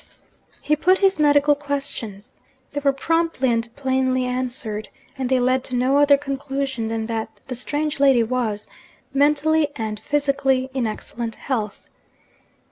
He put his medical questions. They were promptly and plainly answered; and they led to no other conclusion than that the strange lady was, mentally and physically, in excellent health.